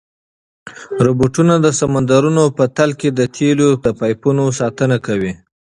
روبوټونه د سمندرونو په تل کې د تېلو د پایپونو ساتنه کوي.